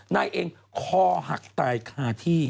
นายเองข้อหักท่าคาที่